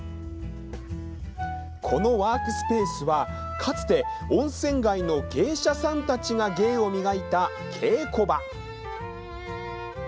このワークスペースは、かつて温泉街の芸者さんたちが芸を磨いた稽古場。